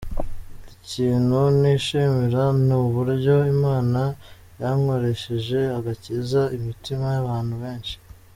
Ikintu nishimira ni uburyo Imana yankoresheje igakiza imitima y’abantu benshi.